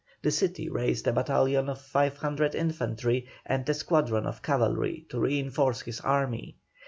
The city raised a battalion of 500 infantry and a squadron of cavalry to reinforce his army.